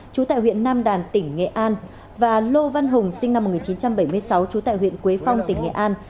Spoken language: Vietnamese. trú tại huyện nam đàn tỉnh nghệ an và lô văn hùng sinh năm một nghìn chín trăm bảy mươi sáu trú tại huyện quế phong tỉnh nghệ an